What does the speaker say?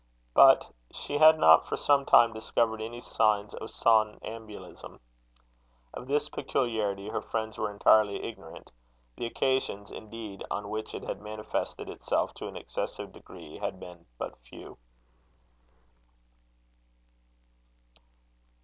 But she had not for some time discovered any signs of somnambulism. Of this peculiarity her friends were entirely ignorant. The occasions, indeed, on which it had manifested itself to an excessive degree, had been but few.